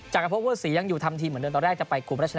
จากกระโพกพวกศรีที่อยู่ทำทีมเหมือนเดิมตอนแรกจะไปกลุ่ม